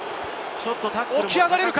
起き上がれるか？